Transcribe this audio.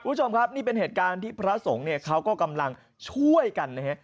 คุณผู้ชมครับนี่เป็นเหตุการณ์ที่พระสงฆ์เนี่ยเขาก็กำลังช่วยกันนะฮะ